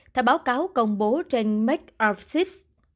theo báo cáo công bố trên make of sips